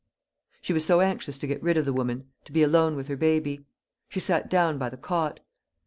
She was so anxious to get rid of the woman, to be alone with her baby. She sat down by the cot.